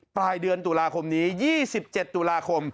ปลายเดือนตุลาคมนี้๒๗ตุลาคม